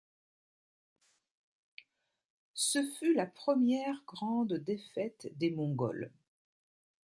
Ce fut la première grande défaite des Mongols.